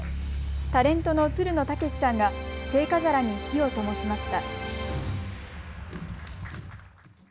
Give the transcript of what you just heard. タレントのつるの剛士さんが聖火皿に火をともしました。